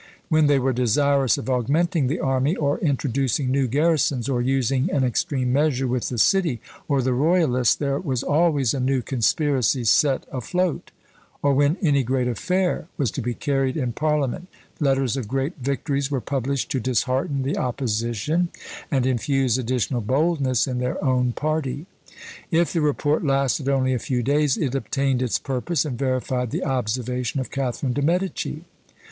When they were desirous of augmenting the army, or introducing new garrisons, or using an extreme measure with the city, or the royalists, there was always a new conspiracy set afloat; or when any great affair was to be carried in parliament, letters of great victories were published to dishearten the opposition, and infuse additional boldness in their own party. If the report lasted only a few days, it obtained its purpose, and verified the observation of Catharine de' Medici.